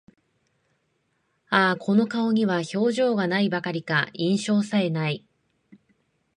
ああ、この顔には表情が無いばかりか、印象さえ無い